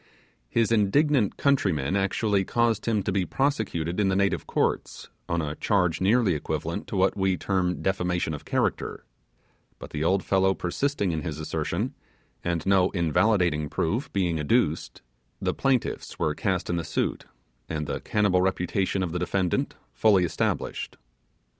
His indignant countrymen actually caused him to be prosecuted in the native courts, on a charge nearly equivalent to what we term defamation of character; but the old fellow persisting in his assertion, and no invalidating proof being adduced, the plaintiffs were cast in the suit, and the cannibal reputation of the defendant firmly established.